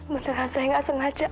beneran saya gak sengaja